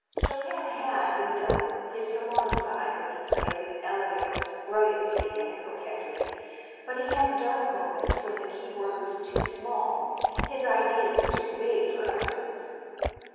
Chopin had, we know, his salon side when he played with elegance, brilliancy and coquetry. But he had dark moments when the keyboard was too small, his ideas too big for utterance.